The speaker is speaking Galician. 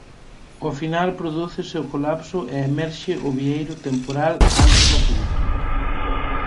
ao final prodúcese o colapso e emerxe o vieiro temporal antes oculto.